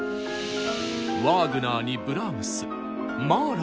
ワーグナーにブラームスマーラーまで。